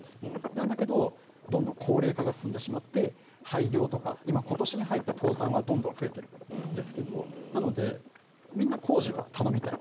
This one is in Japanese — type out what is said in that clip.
なんだけどどんどん高齢化が進んでしまって廃業とか今、今年に入って倒産はどんどん増えているんですがなのでみんな工事は頼みたい。